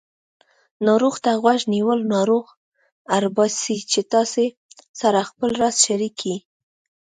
ناروغ ته غوږ نیول ناروغ اړباسي چې تاسې سره خپل راز شریک کړي